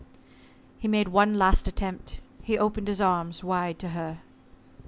He made one last appeal he opened his arms wide to her.